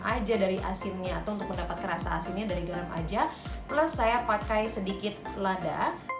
aja dari asinnya atau untuk mendapatkan rasa asinnya dari garam aja plus saya pakai sedikit lada